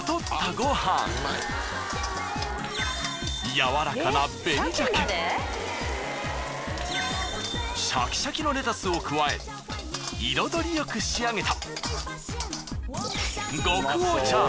やわらかなシャキシャキのレタスを加え彩りよく仕上げた。